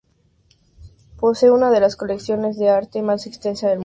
Posee una de las colecciones de arte más extensas del mundo.